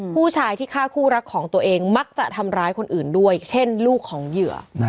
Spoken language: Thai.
ผู้ชายที่ฆ่าคู่รักของตัวเองมักจะทำร้ายคนอื่นด้วยเช่นลูกของเหยื่อ